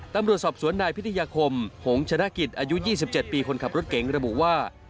ตำรวจสอบสวนนายพิทยาคมหงชนะกิจอายุ๒๗ปีคนขับรถเก๋งระบุว่า